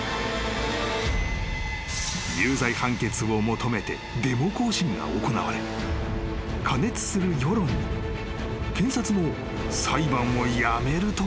［有罪判決を求めてデモ行進が行われ過熱する世論に検察も裁判をやめるとは言えなかった］